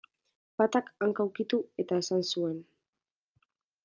Batak, hanka ukitu eta esan zuen.